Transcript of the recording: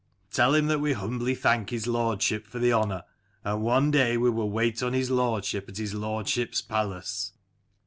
" Tell him that we humbly thank his lordship for the honour, and one day we will wait on his lordship at his lordship's palace."